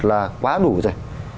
là quá đủ rồi